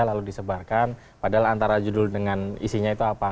lalu disebarkan padahal antara judul dengan isinya itu apa